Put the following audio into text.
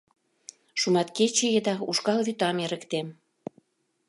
Шуматкече еда ушкал вӱтам эрыктем.